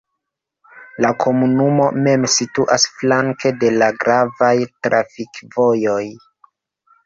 La komunumo mem situas flanke de la gravaj trafikvojoj.